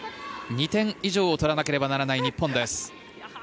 ２点以上取らなければいけない日本です。